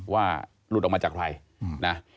ว่าหลุดออกมาจากใครนะ